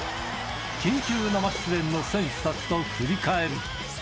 緊急生出演の選手たちと振り返る。